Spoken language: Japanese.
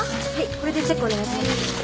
これでチェックお願いします。